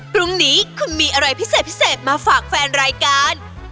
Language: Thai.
พรุ่งนี้คุณมีอะไรพิเศษมาฝากแฟนอะไรกัน